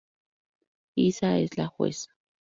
Isa es la juez.